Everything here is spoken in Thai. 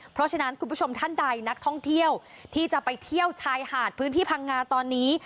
เพราะฉะนั้นคุณผู้ชมท่านใดนักท่องเที่ยวที่จะไปเที่ยวชายหาดพื้นที่พังงาตอนนี้